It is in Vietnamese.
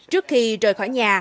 trước khi rời khỏi nhà